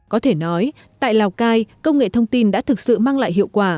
có thể nói tại lào cai công nghệ thông tin đã thực sự mang lại hiệu quả